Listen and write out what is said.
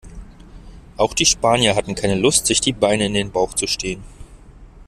Auch die Spanier hatten keine Lust, sich die Beine in den Bauch zu stehen.